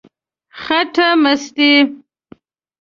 خټه مستې،